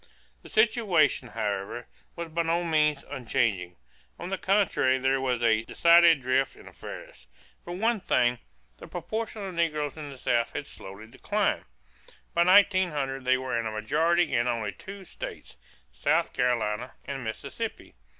The situation, however, was by no means unchanging. On the contrary there was a decided drift in affairs. For one thing, the proportion of negroes in the South had slowly declined. By 1900 they were in a majority in only two states, South Carolina and Mississippi.